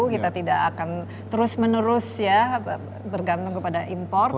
kita tidak akan terus menerus ya bergantung kepada impor